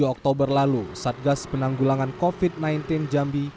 tujuh oktober lalu satgas penanggulangan covid sembilan belas jambi